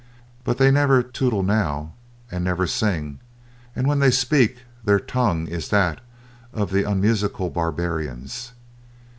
But they never tootle now, and never sing, and when they speak, their tongue is that of the unmusical barbarians.